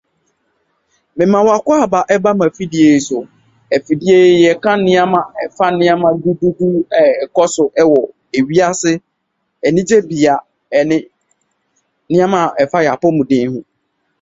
The server side implementations were removed.